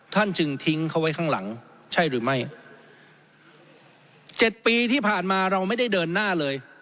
จึงทิ้งเขาไว้ข้างหลังใช่หรือไม่เจ็ดปีที่ผ่านมาเราไม่ได้เดินหน้าเลย